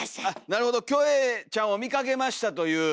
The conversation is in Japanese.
なるほどキョエちゃんを見かけましたという。